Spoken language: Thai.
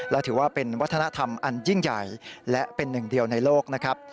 และถือว่าเป็นวัฒนธรรมอันยิ่งใหญ่และเป็นหนึ่งเดียวในโลกนะครับ